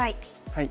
はい。